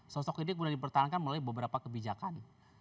sosok ini kemudian dipertahankan melalui beberapa kebijakan